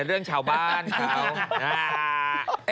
เรื่องชาวบ้านเขา